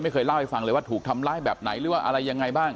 เคยเล่าให้ฟังเลยว่าถูกทำร้ายแบบไหนหรือว่าอะไรยังไงบ้าง